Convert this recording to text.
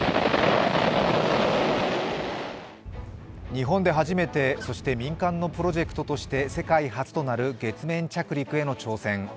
日本で初めて、そして、民間のプロジェクトとして世界初となる月面着陸への挑戦。